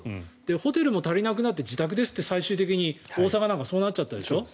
ホテルも足りなくなって自宅ですと最終的に大阪はそうなっちゃったでしょ。